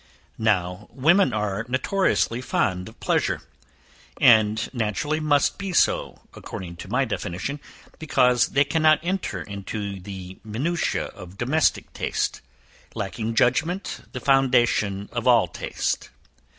Now women are notoriously fond of pleasure; and naturally must be so, according to my definition, because they cannot enter into the minutiae of domestic taste; lacking judgment the foundation of all taste.